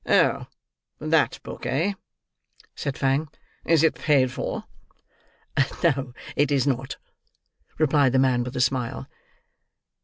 "Oh, that book, eh?" said Fang. "Is it paid for?" "No, it is not," replied the man, with a smile.